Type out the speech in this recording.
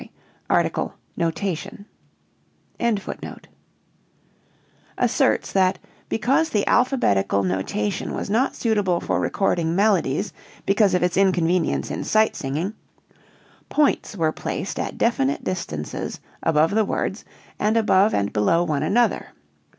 ] A third writer asserts that because the alphabetical notation was not suitable for recording melodies because of its inconvenience in sight singing "points were placed at definite distances above the words and above and below one another."